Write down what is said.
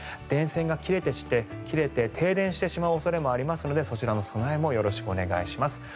電線が切れて停電してしまう恐れもあるのでそちらの備えもよろしくお願いします。